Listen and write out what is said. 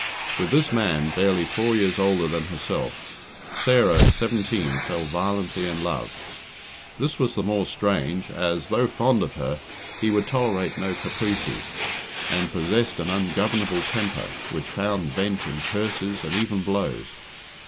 With this man, barely four years older than herself, Sarah, at seventeen, fell violently in love. This was the more strange as, though fond of her, he would tolerate no caprices, and possessed an ungovernable temper, which found vent in curses, and even blows.